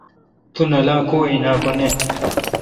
تو نالا کو این اؘ کو نہ۔